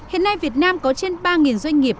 hiện nay việt nam có trên ba doanh nghiệp